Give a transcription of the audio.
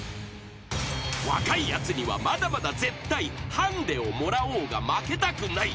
［若いやつにはまだまだ絶対ハンデをもらおうが負けたくない！］